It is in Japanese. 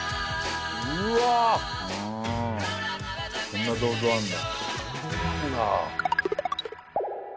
こんな銅像あるんだ。